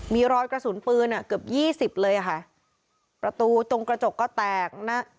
มีรอยกระสุนปืนอ่ะเกือบยี่สิบเลยอ่ะค่ะประตูตรงกระจกก็แตกนะ